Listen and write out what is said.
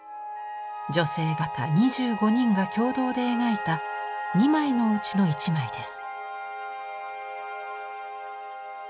女性画家２５人が共同で描いた２枚のうちの１枚です。